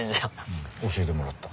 うん教えてもらった。